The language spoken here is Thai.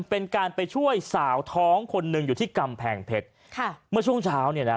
เป็นการไปช่วยสาวท้องคนหนึ่งอยู่ที่กำแพงเพชรค่ะเมื่อช่วงเช้าเนี่ยนะ